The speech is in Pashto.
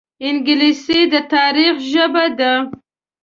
انګلیسي د تاریخ ژبه ده